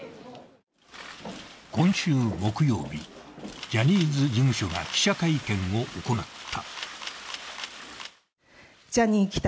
今週木曜日、ジャニーズ事務所が記者会見を行った。